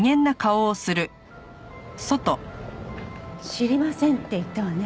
「知りません」って言ったわね。